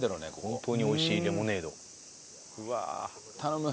本当に美味しいレモネード。